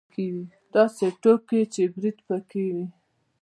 داسې ټوکې چې برید پکې وي.